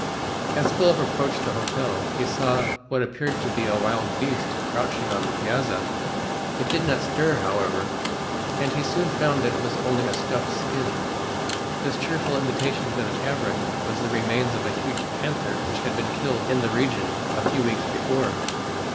As Philip approached the hotel he saw what appeared to be a wild beast crouching on the piazza. It did not stir, however, and he soon found that it was only a stuffed skin. This cheerful invitation to the tavern was the remains of a huge panther which had been killed in the region a few weeks before.